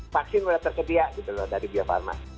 vaksin sudah tersedia gitu loh dari bio farma